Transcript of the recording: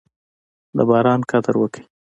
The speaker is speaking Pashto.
د باران قدر وکړئ.